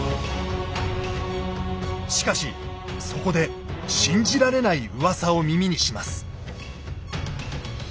しかしそこで信じられない噂を耳にします。